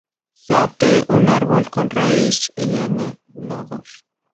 Sea "T" un árbol con raíz y "n" nodos.